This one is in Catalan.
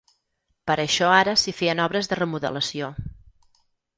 Per això ara s’hi feien obres de remodelació.